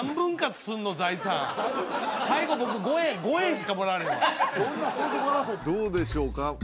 最後僕５円５円しかもらわれへんわどうでしょうか？